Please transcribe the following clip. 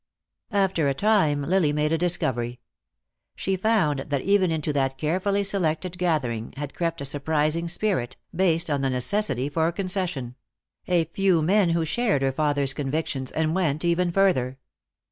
After a time Lily made a discovery. She found that even into that carefully selected gathering had crept a surprising spirit, based on the necessity for concession; a few men who shared her father's convictions, and went even further.